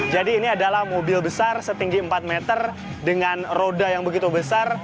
jadi ini adalah mobil besar setinggi empat meter dengan roda yang begitu besar